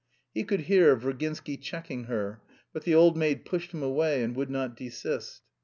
He could hear Virginsky checking her; but the old maid pushed him away and would not desist.